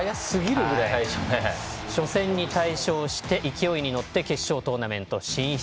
初戦に大勝して勢いに乗って決勝トーナメント進出。